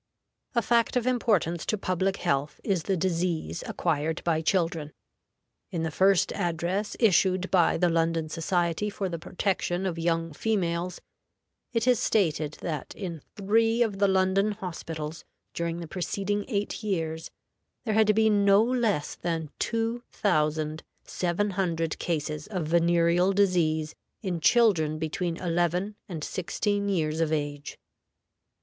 A fact of importance to public health is the disease acquired by children. In the first address issued by the London Society for the Protection of young Females, it is stated that in three of the London hospitals during the preceding eight years there had been no less than two thousand seven hundred cases of venereal disease in children between eleven and sixteen years of age.